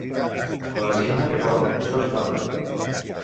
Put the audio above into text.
La designen com Joshlamen?